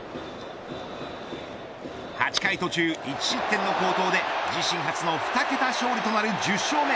８回途中１失点の好投で自身初の２桁勝利となる１０勝目。